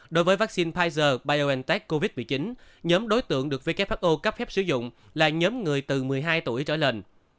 đối với vaccine pfizer biontech covid một mươi chín nhóm đối tượng được who cấp phép sử dụng là nhóm người từ một mươi hai tuổi trở lên